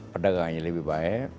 perdagangannya lebih baik